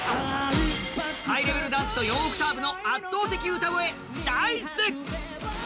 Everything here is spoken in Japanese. ハイレベルなダンスと４オクターブの圧倒的歌声、Ｄａ−ｉＣＥ。